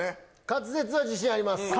滑舌は自信あります